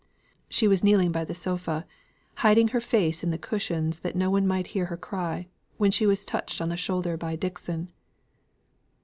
She was kneeling by the sofa, hiding her face in the cushions that no one might hear her cry, when she was touched on the shoulder by Dixon.